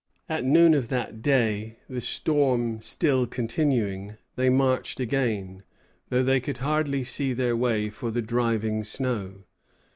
At noon of that day, the storm still continuing, they marched again, though they could hardly see their way for the driving snow.